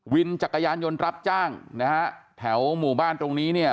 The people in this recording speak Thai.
วินจักรยานยนต์รับจ้างนะฮะแถวหมู่บ้านตรงนี้เนี่ย